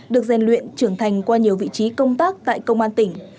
được gian luyện trưởng thành qua nhiều vị trí công tác tại công an tỉnh